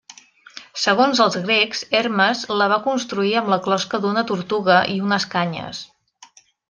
Segons els grecs, Hermes la va construir amb la closca d'una tortuga i unes canyes.